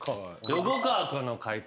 横川君の解答